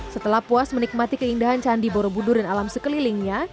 setelah puas menikmati keindahan candi borobudur dan alam sekelilingnya